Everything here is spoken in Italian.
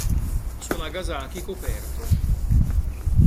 Su Nagasaki coperto.